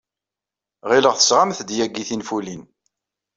Ɣileɣ tesɣamt-d yagi tinfulin.